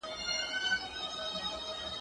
کېدای سي سندري ټيټه وي!.